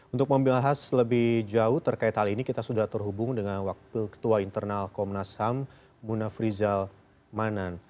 untuk membahas lebih jauh terkait hal ini kita sudah terhubung dengan wakil ketua internal komnas ham munafrizal manan